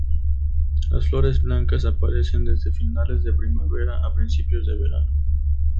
Las flores blancas aparecen desde finales de primavera a principios de verano.